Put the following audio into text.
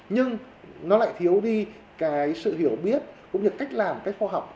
nhưng nó lại thiếu đi cái sự hiểu biết cũng như cách làm cách khoa học